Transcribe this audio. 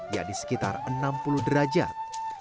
yakni sekitar enam puluh derajat